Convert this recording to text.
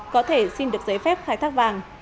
có thể xin được giấy phép khai thác vàng